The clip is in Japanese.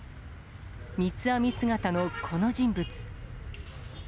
三つ編み姿のこの人物。